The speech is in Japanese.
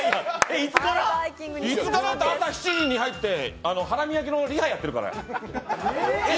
いつからって朝７時に入ってハラミ焼きのリハやってるから。